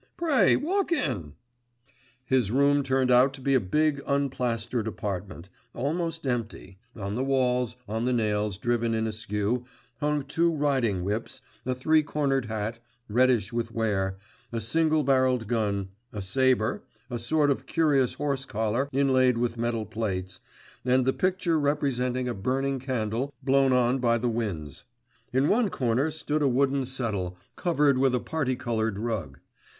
Pray walk in!' His room turned out to be a big unplastered apartment, almost empty; on the walls, on nails driven in askew, hung two riding whips, a three cornered hat, reddish with wear, a single barrelled gun, a sabre, a sort of curious horse collar inlaid with metal plates, and the picture representing a burning candle blown on by the winds. In one corner stood a wooden settle covered with a particoloured rug.